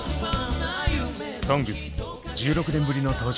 「ＳＯＮＧＳ」１６年ぶりの登場